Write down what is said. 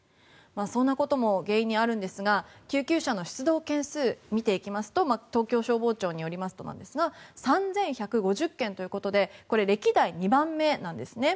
そんなことも原因にあるんですが救急車の出動件数を見ていきますと東京消防庁によりますとですが３１５０件ということでこれ、歴代２番目なんですね。